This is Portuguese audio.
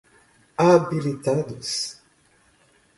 habilitados